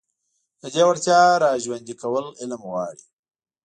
د دې وړتيا راژوندي کول علم غواړي.